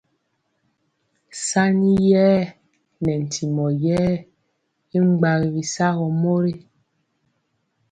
Saniyer nɛ ntimɔ ye y gbagi sagɔ mori.